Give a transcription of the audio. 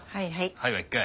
「はい」は１回。